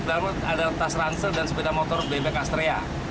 pelaku yang menggunakan sepeda motor honda astra